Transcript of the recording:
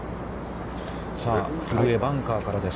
さあ古江、バンカーからです。